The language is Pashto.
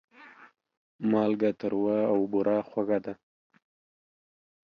مالګه تروه او بوره خوږه ده.